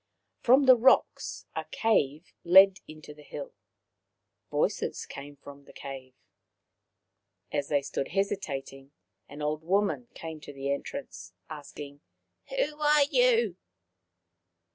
From the rocks a cave led into the hill. Voices came from the cave. As they stood hesitating, an old woman came to the entrance, asking," Who are you